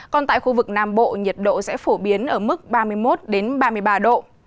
còn tại khu vực nam bộ nhiệt độ sẽ phổ biến ở mức ba mươi một ba mươi ba độ